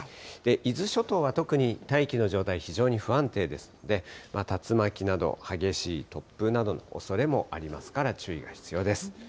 伊豆諸島は特に大気の状態非常に不安定ですので、竜巻など、激しい突風などのおそれもありますから、注意が必要です。